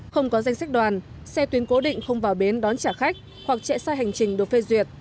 không có danh sách đoàn xe tuyến cố định không vào bến đón trả khách hoặc chạy sai hành trình được phê duyệt